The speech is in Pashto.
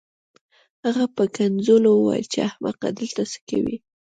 هغه په کنځلو وویل چې احمقه دلته څه کوې